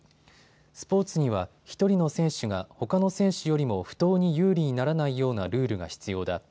スポーツには１人の選手がほかの選手よりも不当に有利にならないようなルールが必要だ。